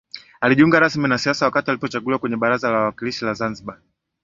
Alijiunga rasmi na siasa wakati alipochaguliwa kwenye baraza la wawakilishi la Zanzibar